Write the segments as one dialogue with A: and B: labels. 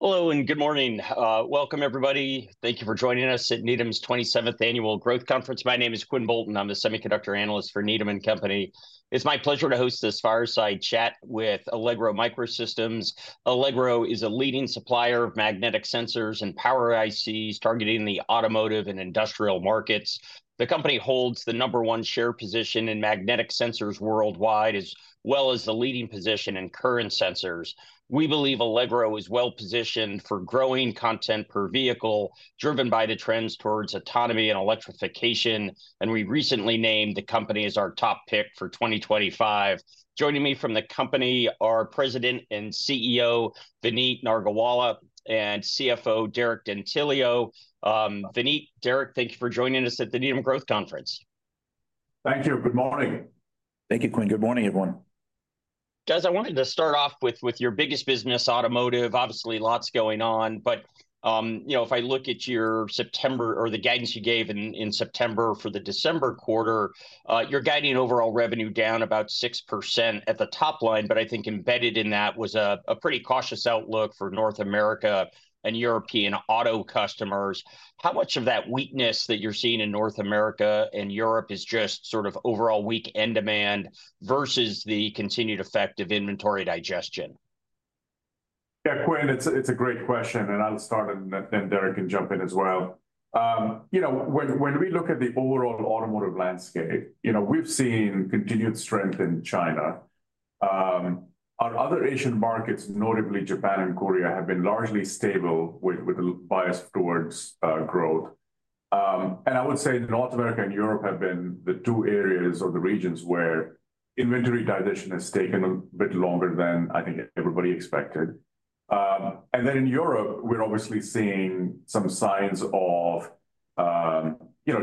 A: Hello and good morning. Welcome, everybody. Thank you for joining us at Needham's 27th Annual Growth Conference. My name is Quinn Bolton. I'm a semiconductor analyst for Needham & Company. It's my pleasure to host this fireside chat with Allegro MicroSystems. Allegro is a leading supplier of magnetic sensors and power ICs targeting the automotive and industrial markets. The company holds the number one share position in magnetic sensors worldwide, as well as the leading position in current sensors. We believe Allegro is well positioned for growing content per vehicle, driven by the trends towards autonomy and electrification, and we recently named the company as our top pick for 2025. Joining me from the company are President and CEO Vineet Nargolwala and CFO Derek D'Antilio. Vineet, Derek, thank you for joining us at the Needham Growth Conference.
B: Thank you. Good morning.
C: Thank you, Quinn. Good morning, everyone.
A: Guys, I wanted to start off with your biggest business, automotive. Obviously, lots going on. But if I look at your September or the guidance you gave in September for the December quarter, you're guiding overall revenue down about 6% at the top line. But I think embedded in that was a pretty cautious outlook for North America and European auto customers. How much of that weakness that you're seeing in North America and Europe is just sort of overall weak end demand versus the continued effect of inventory digestion?
B: Yeah, Quinn, it's a great question, and I'll start, and then Derek can jump in as well. When we look at the overall automotive landscape, we've seen continued strength in China. Our other Asian markets, notably Japan and Korea, have been largely stable with bias towards growth, and I would say North America and Europe have been the two areas or the regions where inventory digestion has taken a bit longer than I think everybody expected, and then in Europe, we're obviously seeing some signs of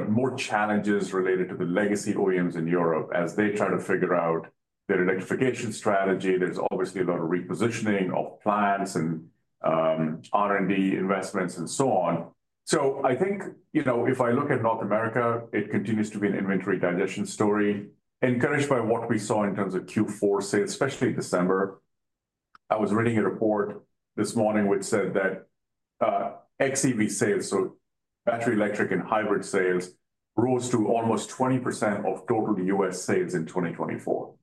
B: more challenges related to the legacy OEMs in Europe as they try to figure out their electrification strategy. There's obviously a lot of repositioning of plants and R&D investments and so on, so I think if I look at North America, it continues to be an inventory digestion story, encouraged by what we saw in terms of Q4 sales, especially December. I was reading a report this morning which said that XEV sales, so battery electric and hybrid sales, rose to almost 20% of total U.S. sales in 2024.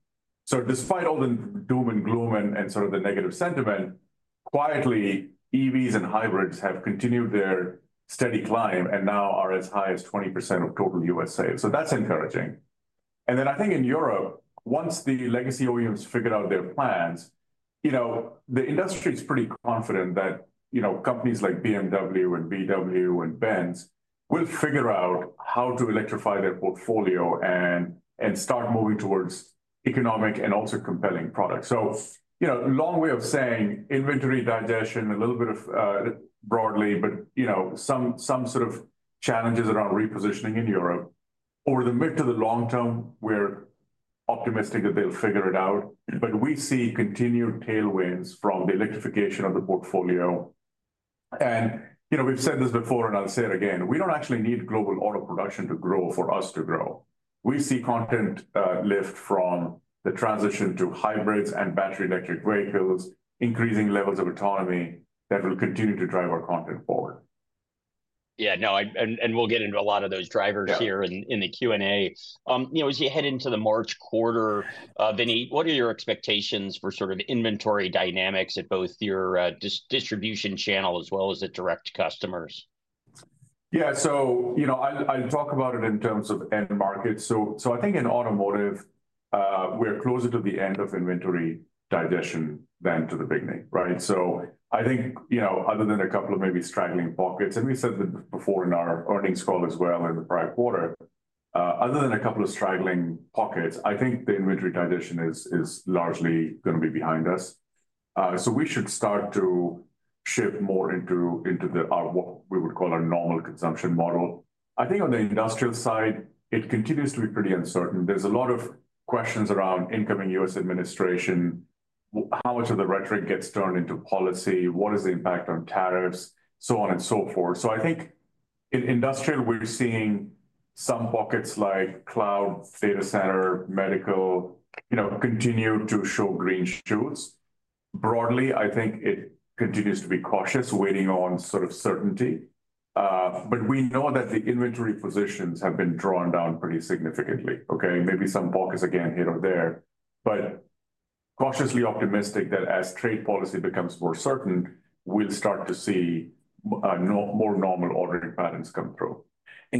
B: So despite all the doom and gloom and sort of the negative sentiment, quietly, EVs and hybrids have continued their steady climb and now are as high as 20% of total U.S. sales. So that's encouraging, and then I think in Europe, once the legacy OEMs figured out their plans, the industry is pretty confident that companies like BMW and VW and Benz will figure out how to electrify their portfolio and start moving towards economic and also compelling products, so long way of saying inventory digestion, a little bit broadly, but some sort of challenges around repositioning in Europe. Over the mid to the long term, we're optimistic that they'll figure it out. But we see continued tailwinds from the electrification of the portfolio. And we've said this before, and I'll say it again, we don't actually need global auto production to grow for us to grow. We see content lift from the transition to hybrids and battery electric vehicles, increasing levels of autonomy that will continue to drive our content forward.
A: Yeah, no, and we'll get into a lot of those drivers here in the Q&A. As you head into the March quarter, Vineet, what are your expectations for sort of inventory dynamics at both your distribution channel as well as at direct customers?
B: Yeah, so I talk about it in terms of end markets. So I think in automotive, we're closer to the end of inventory digestion than to the beginning, right? So I think other than a couple of maybe straggling pockets, and we said this before in our earnings call as well in the prior quarter, other than a couple of straggling pockets, I think the inventory digestion is largely going to be behind us. So we should start to shift more into what we would call our normal consumption model. I think on the industrial side, it continues to be pretty uncertain. There's a lot of questions around incoming U.S. administration, how much of the rhetoric gets turned into policy, what is the impact on tariffs, so on and so forth. So I think in industrial, we're seeing some pockets like cloud, data center, medical continue to show green shoots. Broadly, I think it continues to be cautious, waiting on sort of certainty. But we know that the inventory positions have been drawn down pretty significantly. Okay, maybe some pockets again here or there, but cautiously optimistic that as trade policy becomes more certain, we'll start to see more normal ordering patterns come through.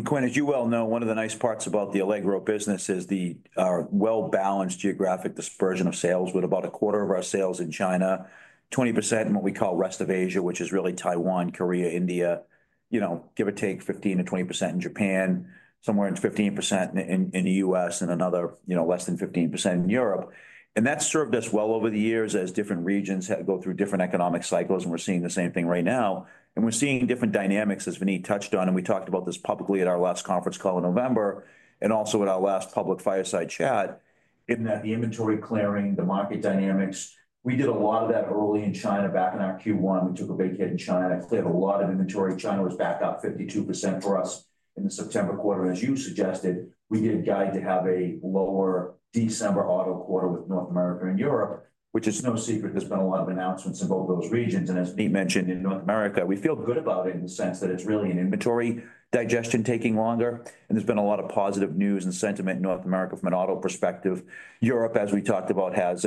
C: Quinn, as you well know, one of the nice parts about the Allegro business is the well-balanced geographic dispersion of sales with about a quarter of our sales in China, 20% in what we call rest of Asia, which is really Taiwan, Korea, India, give or take 15%-20% in Japan, somewhere in 15% in the U.S. and another less than 15% in Europe. That's served us well over the years as different regions go through different economic cycles. We're seeing the same thing right now. We're seeing different dynamics, as Vineet touched on. We talked about this publicly at our last conference call in November and also at our last public fireside chat in that the inventory clearing, the market dynamics, we did a lot of that early in China back in our Q1. We took a big hit in China. Cleared a lot of inventory. China was back up 52% for us in the September quarter. As you suggested, we did guide to have a lower December auto quarter with North America and Europe, which is no secret. There's been a lot of announcements in both those regions, and as Vineet mentioned in North America, we feel good about it in the sense that it's really an inventory digestion taking longer, and there's been a lot of positive news and sentiment in North America from an auto perspective. Europe, as we talked about, has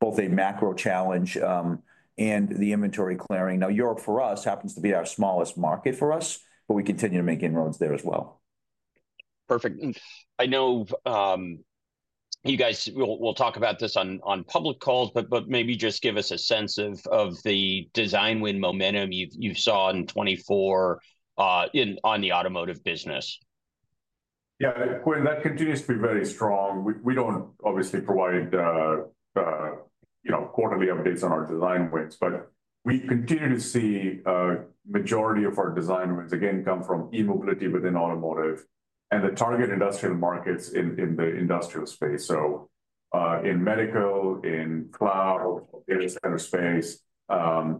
C: both a macro challenge and the inventory clearing. Now, Europe for us happens to be our smallest market for us, but we continue to make inroads there as well.
A: Perfect. I know you guys will talk about this on public calls, but maybe just give us a sense of the design win momentum you saw in 2024 on the automotive business?
B: Yeah, Quinn, that continues to be very strong. We don't obviously provide quarterly updates on our design wins, but we continue to see the majority of our design wins, again, come from e-mobility within automotive and the target industrial markets in the industrial space. So in medical, in cloud, data center space,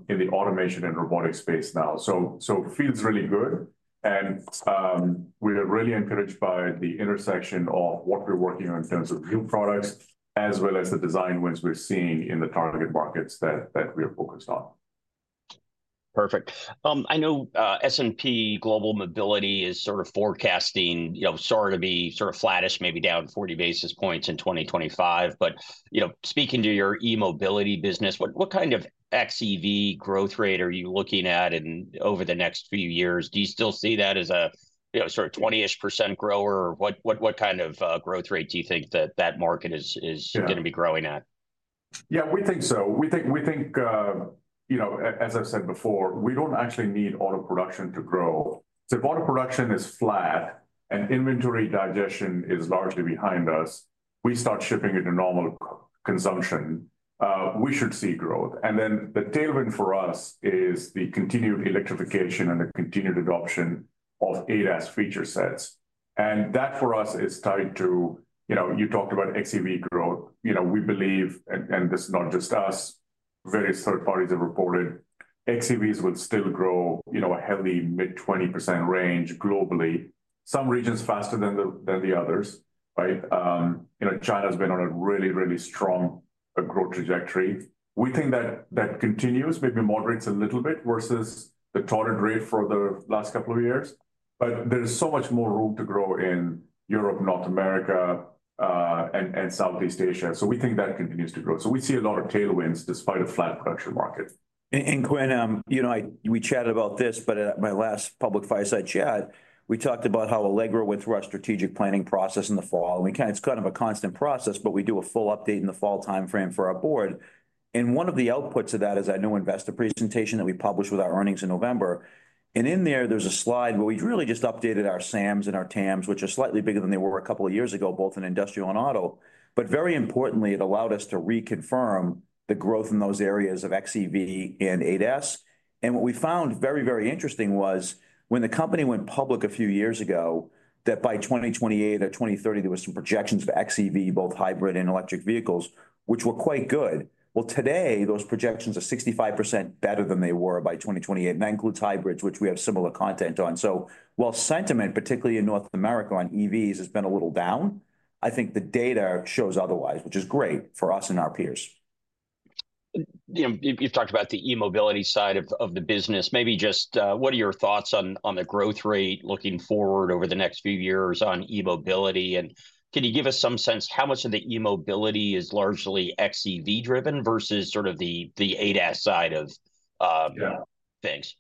B: in the automation and robotics space now. So it feels really good, and we are really encouraged by the intersection of what we're working on in terms of new products as well as the design wins we're seeing in the target markets that we are focused on.
A: Perfect. I know S&P Global Mobility is sort of forecasting SAR to be sort of flattish, maybe down 40 basis points in 2025. But speaking to your e-mobility business, what kind of XEV growth rate are you looking at over the next few years? Do you still see that as a sort of 20-ish% grower? What kind of growth rate do you think that market is going to be growing at?
B: Yeah, we think so. We think, as I've said before, we don't actually need auto production to grow. So if auto production is flat and inventory digestion is largely behind us, we start shipping into normal consumption, we should see growth. And then the tailwind for us is the continued electrification and the continued adoption of ADAS feature sets. And that for us is tied to you talked about XEV growth. We believe, and this is not just us, various third parties have reported XEVs would still grow a healthy mid-20% range globally, some regions faster than the others. China has been on a really, really strong growth trajectory. We think that continues, maybe moderates a little bit versus the torrid rate for the last couple of years. But there's so much more room to grow in Europe, North America, and Southeast Asia. So we think that continues to grow. So we see a lot of tailwinds despite a flat production market.
C: And Quinn, we chatted about this, but at my last public fireside chat, we talked about how Allegro went through our strategic planning process in the fall. And it's kind of a constant process, but we do a full update in the fall timeframe for our board. And one of the outputs of that is that new investor presentation that we published with our earnings in November. And in there, there's a slide where we really just updated our SAMs and our TAMs, which are slightly bigger than they were a couple of years ago, both in industrial and auto. But very importantly, it allowed us to reconfirm the growth in those areas of XEV and ADAS. What we found very, very interesting was when the company went public a few years ago, that by 2028 or 2030, there were some projections for XEV, both hybrid and electric vehicles, which were quite good. Today, those projections are 65% better than they were by 2028. That includes hybrids, which we have similar content on. While sentiment, particularly in North America on EVs, has been a little down, I think the data shows otherwise, which is great for us and our peers.
A: You've talked about the e-mobility side of the business. Maybe just what are your thoughts on the growth rate looking forward over the next few years on e-mobility? Can you give us some sense how much of the e-mobility is largely XEV-driven versus sort of the ADAS side of things?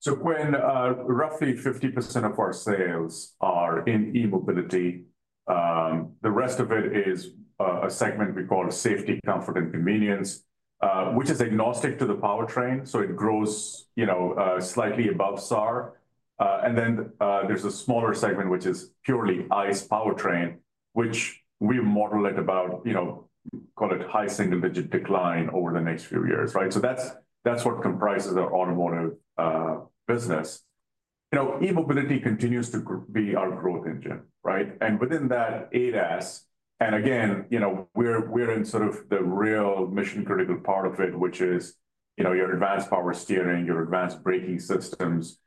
B: So Quinn, roughly 50% of our sales are in e-mobility. The rest of it is a segment we call safety, comfort, and convenience, which is agnostic to the powertrain. So it grows slightly above SAR. And then there's a smaller segment, which is purely ICE powertrain, which we model at about, call it high single-digit decline over the next few years. So that's what comprises our automotive business. E-mobility continues to be our growth engine. And within that ADAS, and again, we're in sort of the real mission-critical part of it, which is your advanced power steering, your advanced braking systems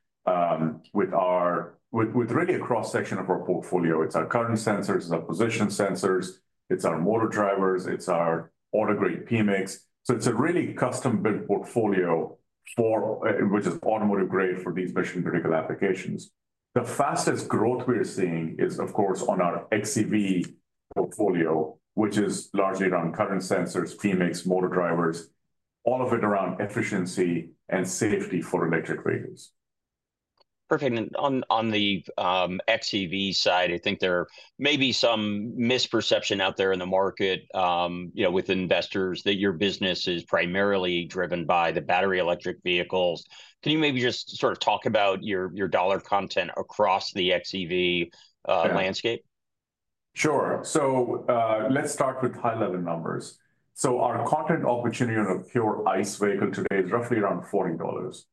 B: with really a cross-section of our portfolio. It's our current sensors, it's our position sensors, it's our motor drivers, it's our automotive-grade PMIC. So it's a really custom-built portfolio, which is automotive-grade for these mission-critical applications. The fastest growth we're seeing is, of course, on our XEV portfolio, which is largely around current sensors, PMIC, motor drivers, all of it around efficiency and safety for electric vehicles.
A: Perfect, and on the XEV side, I think there may be some misperception out there in the market with investors that your business is primarily driven by the battery electric vehicles. Can you maybe just sort of talk about your dollar content across the XEV landscape?
B: Sure. So let's start with high-level numbers. So our content opportunity on a pure ICE vehicle today is roughly around $40.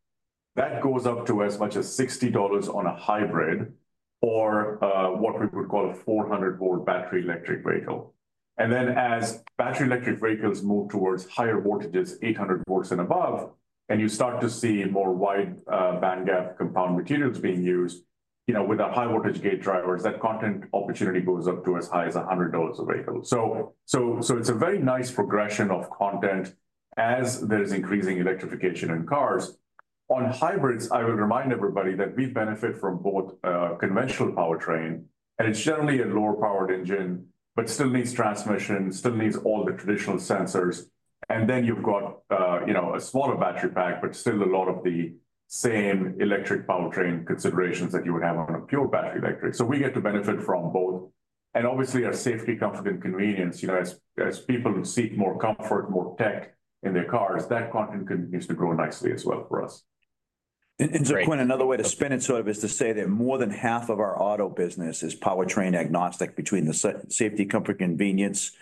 B: That goes up to as much as $60 on a hybrid or what we would call a 400-volt battery electric vehicle. And then as battery electric vehicles move towards higher voltages, 800 volts and above, and you start to see more wide bandgap compound materials being used with our high-voltage gate drivers, that content opportunity goes up to as high as $100 a vehicle. So it's a very nice progression of content as there is increasing electrification in cars. On hybrids, I would remind everybody that we benefit from both conventional powertrain, and it's generally a lower-powered engine, but still needs transmission, still needs all the traditional sensors. And then you've got a smaller battery pack, but still a lot of the same electric powertrain considerations that you would have on a pure battery electric. So we get to benefit from both. And obviously, our safety, comfort, and convenience, as people seek more comfort, more tech in their cars, that content continues to grow nicely as well for us.
C: Quinn, another way to spin it sort of is to say that more than half of our auto business is powertrain agnostic between the safety, comfort, convenience,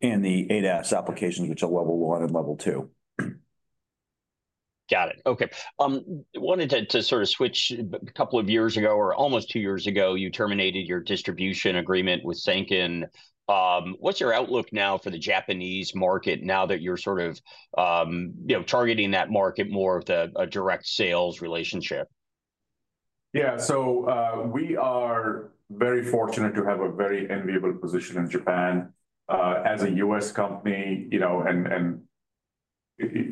C: and the ADAS applications, which are level one and level two.
A: Got it. Okay. Wanted to sort of switch. A couple of years ago, or almost two years ago, you terminated your distribution agreement with Sanken. What's your outlook now for the Japanese market now that you're sort of targeting that market more of a direct sales relationship?
B: Yeah, so we are very fortunate to have a very enviable position in Japan as a U.S. company. And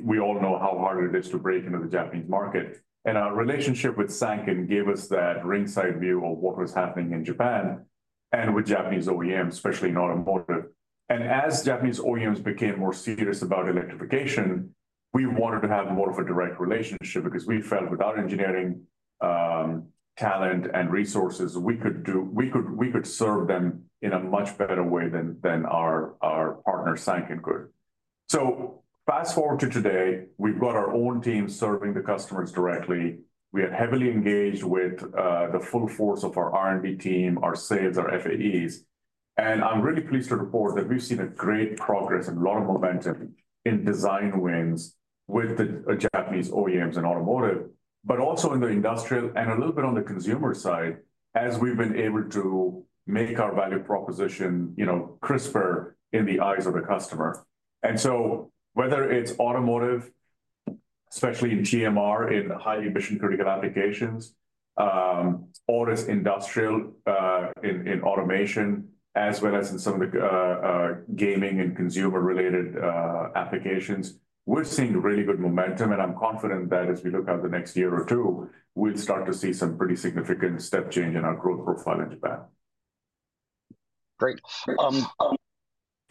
B: we all know how hard it is to break into the Japanese market. And our relationship with Sanken gave us that ringside view of what was happening in Japan and with Japanese OEMs, especially in automotive. And as Japanese OEMs became more serious about electrification, we wanted to have more of a direct relationship because we felt with our engineering talent and resources, we could serve them in a much better way than our partner Sanken could. So fast forward to today, we've got our own team serving the customers directly. We are heavily engaged with the full force of our R&D team, our sales, our FAEs. And I'm really pleased to report that we've seen great progress and a lot of momentum in design wins with the Japanese OEMs in automotive, but also in the industrial and a little bit on the consumer side as we've been able to make our value proposition crisper in the eyes of the customer. And so whether it's automotive, especially in GMR, in highly mission-critical applications, or as industrial in automation, as well as in some of the gaming and consumer-related applications, we're seeing really good momentum. And I'm confident that as we look at the next year or two, we'd start to see some pretty significant step change in our growth profile in Japan.
A: Great.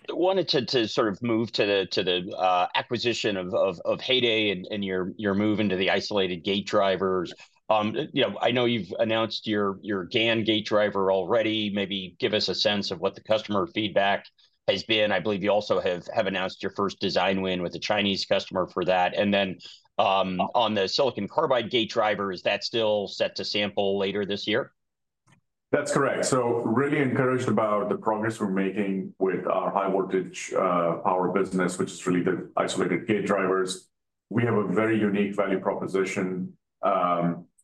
A: I wanted to sort of move to the acquisition of Heyday and your move into the isolated gate drivers. I know you've announced your GaN gate driver already. Maybe give us a sense of what the customer feedback has been. I believe you also have announced your first design win with a Chinese customer for that. And then on the silicon carbide gate driver, is that still set to sample later this year?
B: That's correct. So really encouraged about the progress we're making with our high-voltage power business, which is related to isolated gate drivers. We have a very unique value proposition.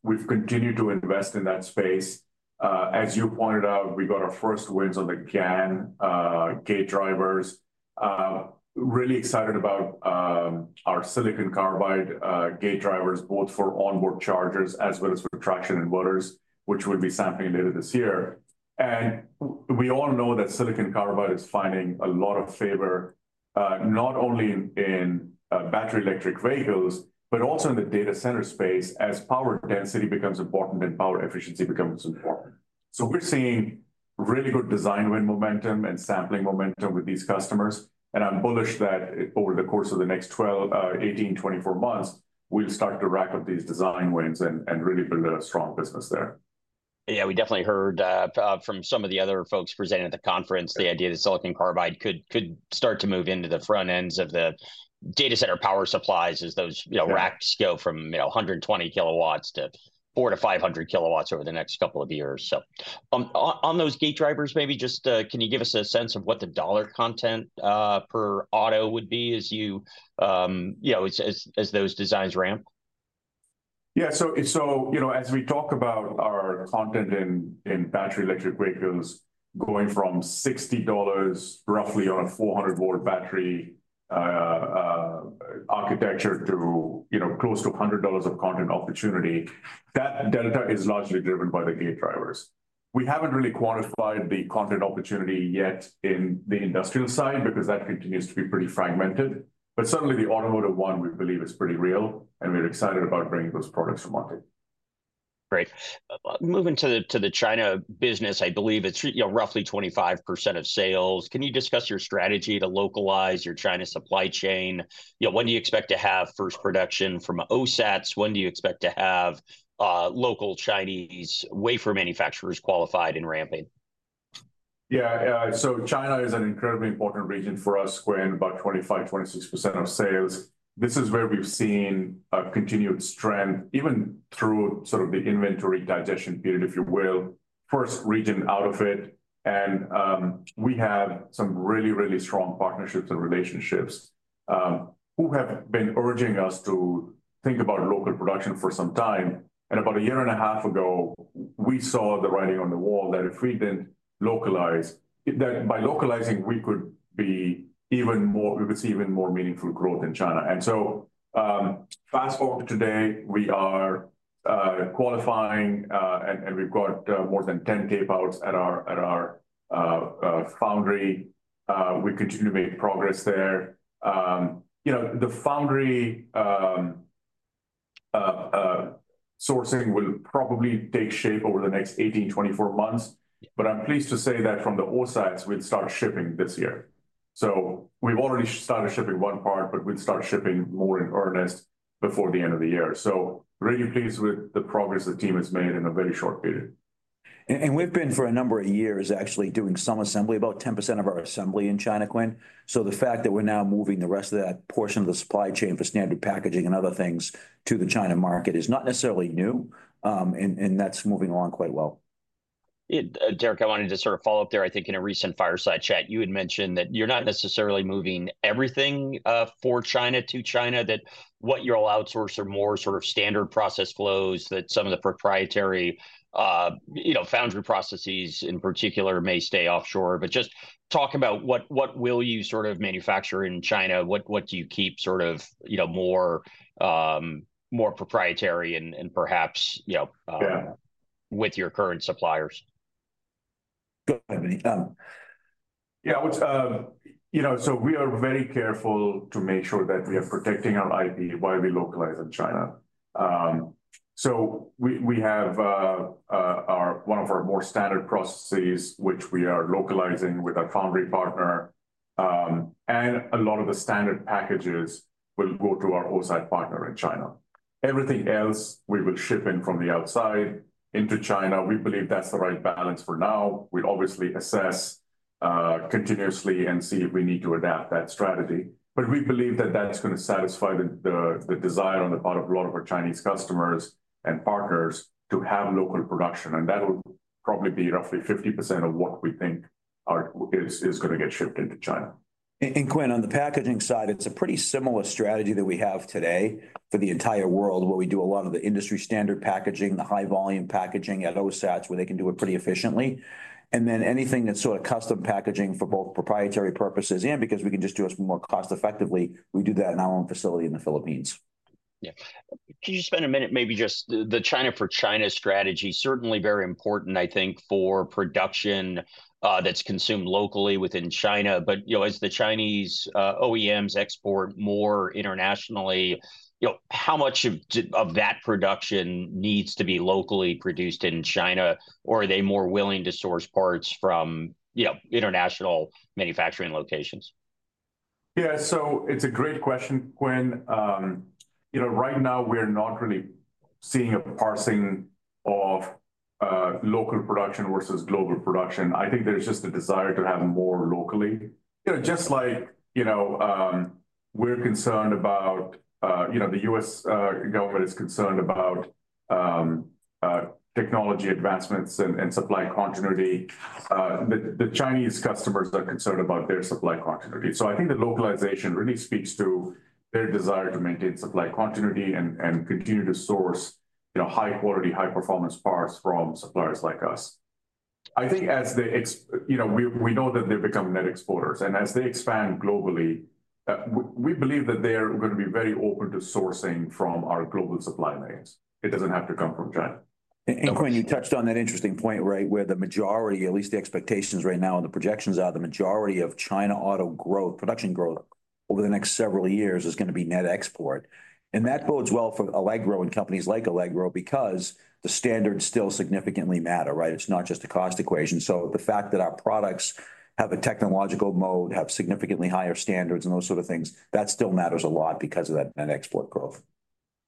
B: We've continued to invest in that space. As you pointed out, we got our first wins on the GaN gate drivers. Really excited about our silicon carbide gate drivers, both for onboard chargers as well as for traction inverters, which we'll be sampling later this year. And we all know that silicon carbide is finding a lot of favor, not only in battery electric vehicles, but also in the data center space as power density becomes important and power efficiency becomes important. So we're seeing really good design win momentum and sampling momentum with these customers. I'm bullish that over the course of the next 18-24 months, we'll start to rack up these design wins and really build a strong business there.
A: Yeah, we definitely heard from some of the other folks presenting at the conference the idea that silicon carbide could start to move into the front ends of the data center power supplies as those racks go from 120 kilowatts to 400-500 kilowatts over the next couple of years. So on those gate drivers, maybe just can you give us a sense of what the dollar content per auto would be as those designs ramp?
B: Yeah. So as we talk about our content in battery electric vehicles going from $60 roughly on a 400-volt battery architecture to close to $100 of content opportunity, that delta is largely driven by the gate drivers. We haven't really quantified the content opportunity yet in the industrial side because that continues to be pretty fragmented. But certainly the automotive one, we believe, is pretty real. And we're excited about bringing those products to market.
A: Great. Moving to the China business, I believe it's roughly 25% of sales. Can you discuss your strategy to localize your China supply chain? When do you expect to have first production from OSATs? When do you expect to have local Chinese wafer manufacturers qualified and ramping?
B: Yeah. So China is an incredibly important region for us, Quinn, about 25%-26% of sales. This is where we've seen continued strength, even through sort of the inventory digestion period, if you will, first region out of it. And we have some really, really strong partnerships and relationships who have been urging us to think about local production for some time. And about a year and a half ago, we saw the writing on the wall that if we didn't localize, that by localizing, we could see even more meaningful growth in China. And so fast forward to today, we are qualifying, and we've got more than 10 tape outs at our foundry. We continue to make progress there. The foundry sourcing will probably take shape over the next 18-24 months. But I'm pleased to say that from the OSATs, we'd start shipping this year. So we've already started shipping one part, but we'd start shipping more in earnest before the end of the year. So really pleased with the progress the team has made in a very short period.
A: We've been for a number of years actually doing some assembly, about 10% of our assembly in China, Quinn. The fact that we're now moving the rest of that portion of the supply chain for standard packaging and other things to the China market is not necessarily new. That's moving along quite well. Derek, I wanted to sort of follow up there. I think in a recent fireside chat, you had mentioned that you're not necessarily moving everything for China to China, that what you'll outsource are more sort of standard process flows, that some of the proprietary foundry processes in particular may stay offshore. Just talk about what will you sort of manufacture in China? What do you keep sort of more proprietary and perhaps with your current suppliers?
B: Yeah. So we are very careful to make sure that we are protecting our IP while we localize in China. So we have one of our more standard processes, which we are localizing with our foundry partner. And a lot of the standard packages will go to our OSAT partner in China. Everything else, we will ship in from the outside into China. We believe that's the right balance for now. We obviously assess continuously and see if we need to adapt that strategy. But we believe that that's going to satisfy the desire on the part of a lot of our Chinese customers and partners to have local production. And that will probably be roughly 50% of what we think is going to get shipped into China.
C: Quinn, on the packaging side, it's a pretty similar strategy that we have today for the entire world where we do a lot of the industry standard packaging, the high-volume packaging at OSATs where they can do it pretty efficiently. And then anything that's sort of custom packaging for both proprietary purposes and because we can just do it more cost-effectively, we do that in our own facility in the Philippines.
A: Yeah. Could you spend a minute maybe just the China for China strategy? Certainly very important, I think, for production that's consumed locally within China. But as the Chinese OEMs export more internationally, how much of that production needs to be locally produced in China? Or are they more willing to source parts from international manufacturing locations?
B: Yeah. So it's a great question, Quinn. Right now, we're not really seeing a parsing of local production versus global production. I think there's just a desire to have more locally. Just like we're concerned about, the U.S. government is concerned about technology advancements and supply continuity. The Chinese customers are concerned about their supply continuity. So I think the localization really speaks to their desire to maintain supply continuity and continue to source high-quality, high-performance parts from suppliers like us. I think as we know that they've become net exporters, and as they expand globally, we believe that they're going to be very open to sourcing from our global supply lanes. It doesn't have to come from China.
C: And Quinn, you touched on that interesting point, right, where the majority, at least the expectations right now and the projections are, the majority of China auto growth, production growth over the next several years is going to be net export. And that bodes well for Allegro and companies like Allegro because the standards still significantly matter, right? It's not just a cost equation. So the fact that our products have a technological mode, have significantly higher standards, and those sort of things, that still matters a lot because of that net export growth.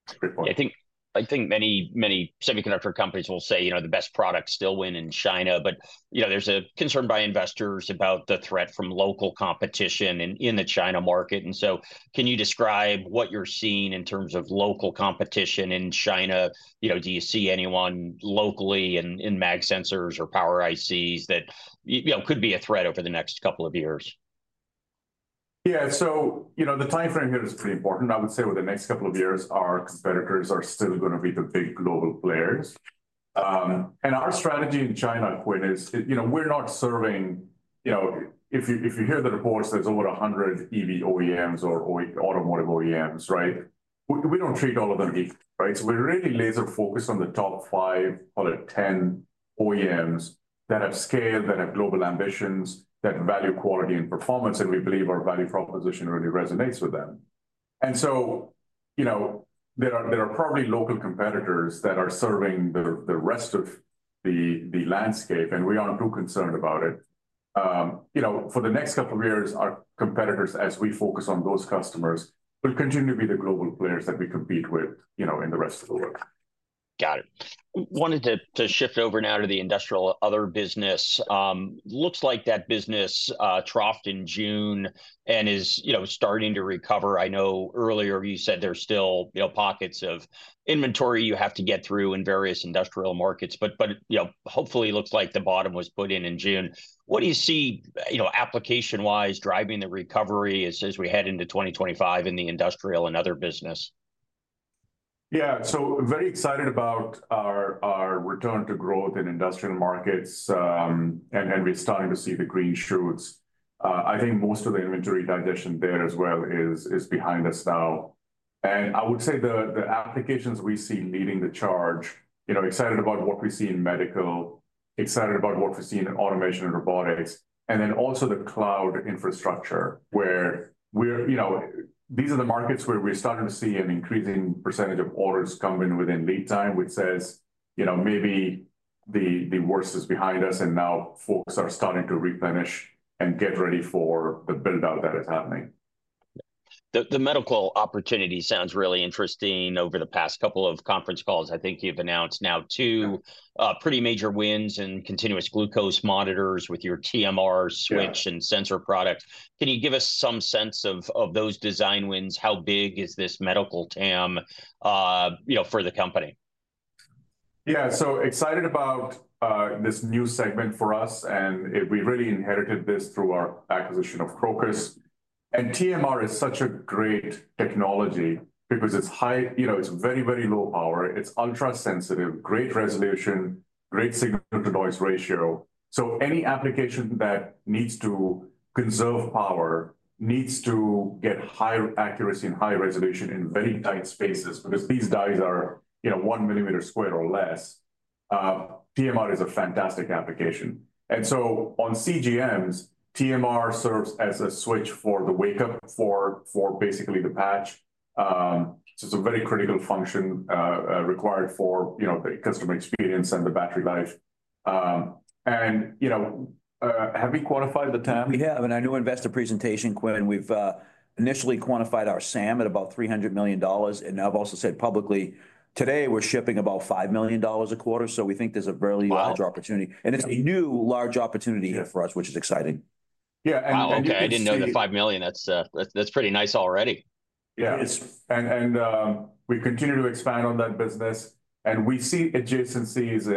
B: That's a great point.
A: I think many semiconductor companies will say the best products still win in China. But there's a concern by investors about the threat from local competition in the China market. And so can you describe what you're seeing in terms of local competition in China? Do you see anyone locally in mag sensors or power ICs that could be a threat over the next couple of years?
B: Yeah. So the timeframe here is pretty important. I would say over the next couple of years, our competitors are still going to be the big global players. And our strategy in China, Quinn, is we're not serving if you hear the reports, there's over 100 EV OEMs or automotive OEMs, right? We don't treat all of them equally, right? So we're really laser-focused on the top five, call it 10 OEMs that have scale, that have global ambitions, that value quality and performance. And we believe our value proposition really resonates with them. And so there are probably local competitors that are serving the rest of the landscape. And we aren't too concerned about it. For the next couple of years, our competitors, as we focus on those customers, will continue to be the global players that we compete with in the rest of the world.
A: Got it. Wanted to shift over now to the industrial and other business. Looks like that business troughed in June and is starting to recover. I know earlier you said there's still pockets of inventory you have to get through in various industrial markets. But hopefully, it looks like the bottom was put in in June. What do you see application-wise driving the recovery as we head into 2025 in the industrial and other business?
B: Yeah. So very excited about our return to growth in industrial markets. And we're starting to see the green shoots. I think most of the inventory digestion there as well is behind us now. And I would say the applications we see leading the charge, excited about what we see in medical, excited about what we've seen in automation and robotics, and then also the cloud infrastructure where these are the markets where we're starting to see an increasing percentage of orders come in within lead time, which says maybe the worst is behind us. And now folks are starting to replenish and get ready for the build-out that is happening.
A: The medical opportunity sounds really interesting. Over the past couple of conference calls, I think you've announced now two pretty major wins in continuous glucose monitors with your TMR switch and sensor product. Can you give us some sense of those design wins? How big is this medical TAM for the company?
B: Yeah, so excited about this new segment for us, and we really inherited this through our acquisition of Crocus, and TMR is such a great technology because it's very, very low power. It's ultra-sensitive, great resolution, great signal-to-noise ratio, so any application that needs to conserve power needs to get higher accuracy and higher resolution in very tight spaces because these dies are one millimeter square or less. TMR is a fantastic application, and so on CGMs, TMR serves as a switch for the wake-up for basically the patch, so it's a very critical function required for the customer experience and the battery life, and have we quantified the TAM?
C: We have, and I know in the investor presentation, Quinn, we've initially quantified our SAM at about $300 million. I've also said publicly today we're shipping about $5 million a quarter. So we think there's a very large opportunity, and it's a new large opportunity here for us, which is exciting.
B: Yeah.
A: I didn't know the five million. That's pretty nice already.
B: Yeah. And we continue to expand on that business. And we see adjacencies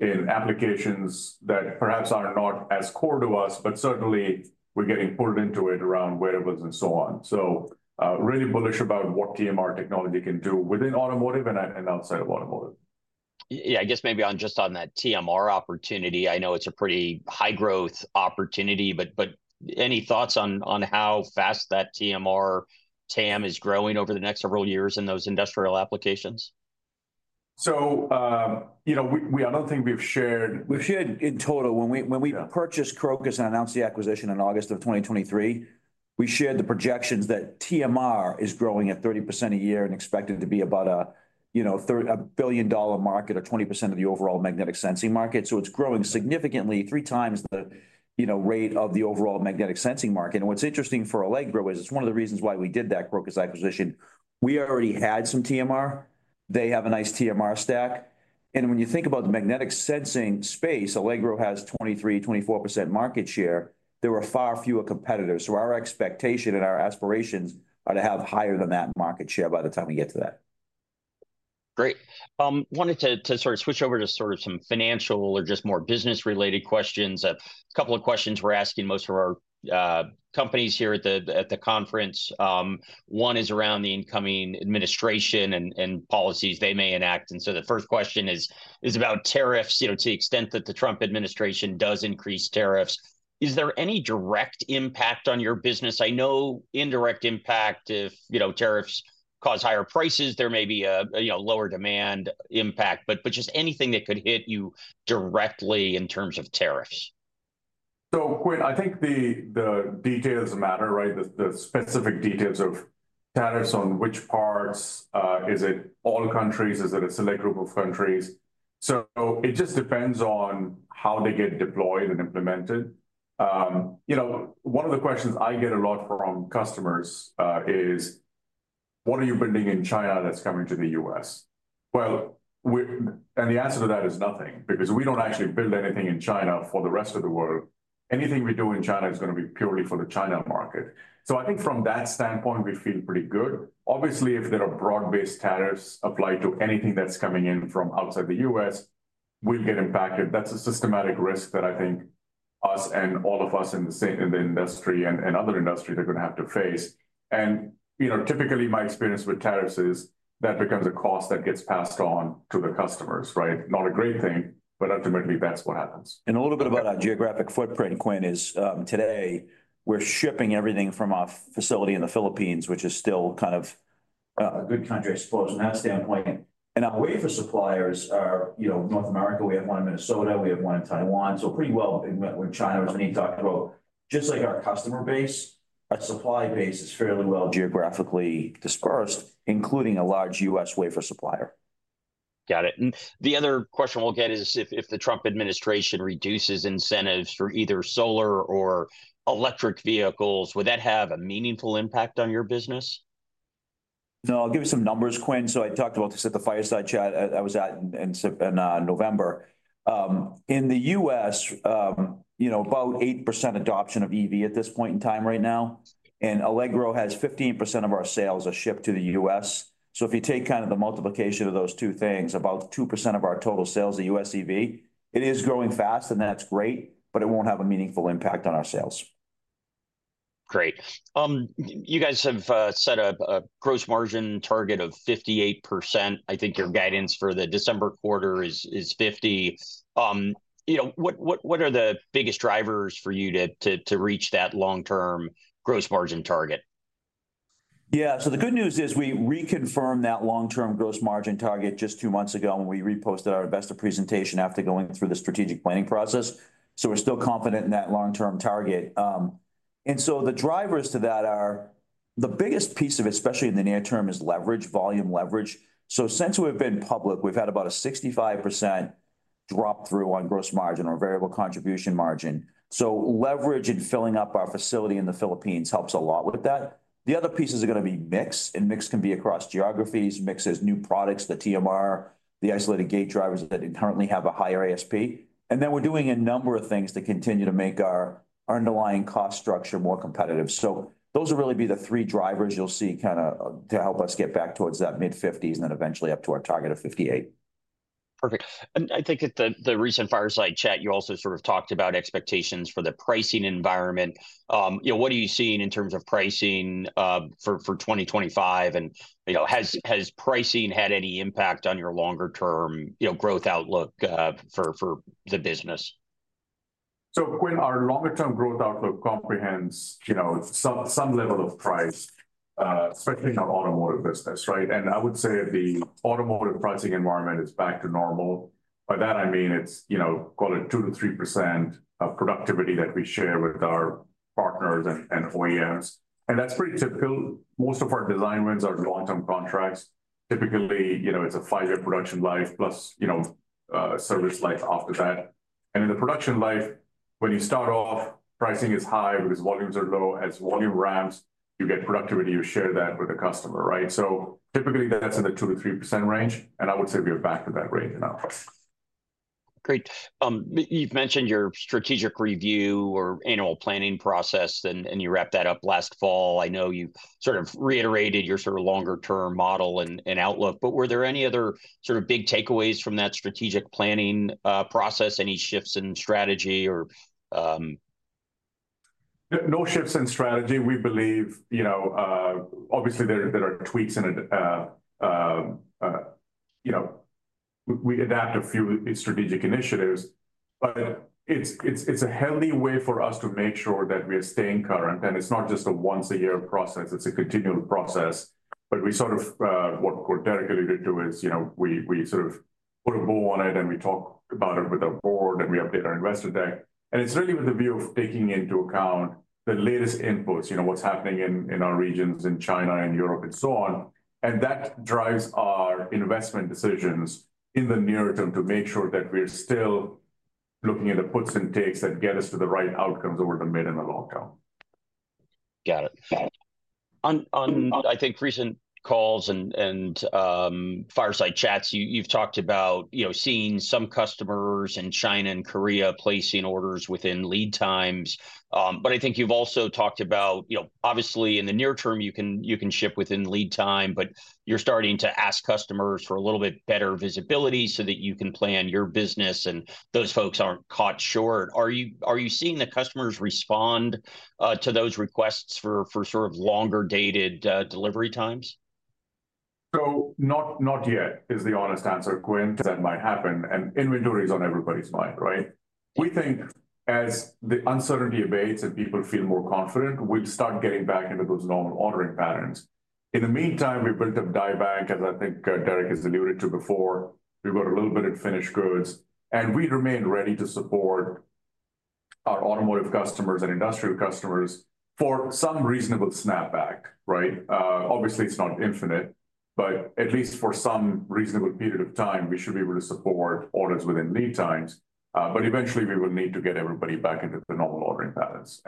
B: in applications that perhaps are not as core to us, but certainly we're getting pulled into it around wearables and so on. So really bullish about what TMR technology can do within automotive and outside of automotive.
A: Yeah. I guess maybe just on that TMR opportunity, I know it's a pretty high-growth opportunity. But any thoughts on how fast that TMR TAM is growing over the next several years in those industrial applications?
B: So I don't think we've shared in total, when we purchased Crocus and announced the acquisition in August of 2023, we shared the projections that TMR is growing at 30% a year and expected to be about a $1 billion market or 20% of the overall magnetic sensing market. So it's growing significantly, three times the rate of the overall magnetic sensing market. And what's interesting for Allegro is it's one of the reasons why we did that Crocus acquisition. We already had some TMR. They have a nice TMR stack. And when you think about the magnetic sensing space, Allegro has 23%, 24% market share. There were far fewer competitors. So our expectation and our aspirations are to have higher than that market share by the time we get to that.
A: Great. Wanted to sort of switch over to sort of some financial or just more business-related questions. A couple of questions we're asking most of our companies here at the conference. One is around the incoming administration and policies they may enact. And so the first question is about tariffs to the extent that the Trump administration does increase tariffs. Is there any direct impact on your business? I know indirect impact if tariffs cause higher prices, there may be a lower demand impact. But just anything that could hit you directly in terms of tariffs.
B: So Quinn, I think the details matter, right? The specific details of tariffs on which parts? Is it all countries? Is it a select group of countries? So it just depends on how they get deployed and implemented. One of the questions I get a lot from customers is, what are you building in China that's coming to the U.S.? Well, and the answer to that is nothing because we don't actually build anything in China for the rest of the world. Anything we do in China is going to be purely for the China market. So I think from that standpoint, we feel pretty good. Obviously, if there are broad-based tariffs applied to anything that's coming in from outside the U.S., we'll get impacted. That's a systemic risk that I think us and all of us in the industry and other industries are going to have to face. Typically, my experience with tariffs is that becomes a cost that gets passed on to the customers, right? Not a great thing, but ultimately, that's what happens.
C: A little bit about our geographic footprint, Quinn, is today we're shipping everything from our facility in the Philippines, which is still kind of a good country, I suppose, from that standpoint. Our wafer suppliers are North America. We have one in Minnesota. We have one in Taiwan. Pretty well with China, as many talked about. Just like our customer base, our supply base is fairly well geographically dispersed, including a large U.S. wafer supplier.
A: Got it. The other question we'll get is if the Trump administration reduces incentives for either solar or electric vehicles, would that have a meaningful impact on your business?
C: No, I'll give you some numbers, Quinn. So I talked about this at the Fireside Chat I was at in November. In the US, about 8% adoption of EV at this point in time right now. Allegro has 15% of our sales shipped to the US. So if you take kind of the multiplication of those two things, about 2% of our total sales of US EV; it is growing fast, and that's great, but it won't have a meaningful impact on our sales.
A: Great. You guys have set a gross margin target of 58%. I think your guidance for the December quarter is 50%. What are the biggest drivers for you to reach that long-term gross margin target?
C: Yeah. So the good news is we reconfirmed that long-term gross margin target just two months ago when we reposted our investor presentation after going through the strategic planning process. So we're still confident in that long-term target. And so the drivers to that are the biggest piece of it, especially in the near term, is leverage, volume leverage. So since we've been public, we've had about a 65% drop through on gross margin or variable contribution margin. So leverage and filling up our facility in the Philippines helps a lot with that. The other pieces are going to be mix. And mix can be across geographies. Mix is new products, the TMR, the isolated gate drivers that currently have a higher ASP. And then we're doing a number of things to continue to make our underlying cost structure more competitive. So those will really be the three drivers you'll see kind of to help us get back towards that mid-50s and then eventually up to our target of 58.
A: Perfect. I think at the recent fireside chat, you also sort of talked about expectations for the pricing environment. What are you seeing in terms of pricing for 2025? And has pricing had any impact on your longer-term growth outlook for the business?
B: So Quinn, our longer-term growth outlook comprehends some level of price, especially in our automotive business, right? And I would say the automotive pricing environment is back to normal. By that, I mean it's called a 2%-3% of productivity that we share with our partners and OEMs. And that's pretty typical. Most of our design wins are long-term contracts. Typically, it's a five-year production life plus service life after that. And in the production life, when you start off, pricing is high because volumes are low. As volume ramps, you get productivity. You share that with the customer, right? So typically, that's in the 2%-3% range. And I would say we are back to that range now. Great. You've mentioned your strategic review or annual planning process, and you wrapped that up last fall. I know you sort of reiterated your sort of longer-term model and outlook. But were there any other sort of big takeaways from that strategic planning process? Any shifts in strategy or?
A: No shifts in strategy. We believe, obviously, there are tweaks in it. We adapt a few strategic initiatives. But it's a healthy way for us to make sure that we are staying current. And it's not just a once-a-year process. It's a continual process. But we sort of what Derek alluded to is we sort of put a bow on it, and we talk about it with our board, and we update our investor deck. And it's really with the view of taking into account the latest inputs, what's happening in our regions in China and Europe and so on. And that drives our investment decisions in the near term to make sure that we're still looking at the puts and takes that get us to the right outcomes over the mid and the long term. Got it. I think recent calls and Fireside Chats, you've talked about seeing some customers in China and Korea placing orders within lead times. But I think you've also talked about, obviously, in the near term, you can ship within lead time, but you're starting to ask customers for a little bit better visibility so that you can plan your business and those folks aren't caught short. Are you seeing the customers respond to those requests for sort of longer-dated delivery times?
B: Not yet is the honest answer, Quinn. That might happen. Inventory is on everybody's mind, right? We think as the uncertainty abates and people feel more confident, we'll start getting back into those normal ordering patterns. In the meantime, we built a die bank, as I think Derek has alluded to before. We've got a little bit of finished goods. We remain ready to support our automotive customers and industrial customers for some reasonable snapback, right? Obviously, it's not infinite, but at least for some reasonable period of time, we should be able to support orders within lead times. Eventually, we will need to get everybody back into the normal ordering patterns.